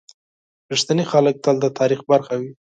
• رښتیني خلک تل د تاریخ برخه وي.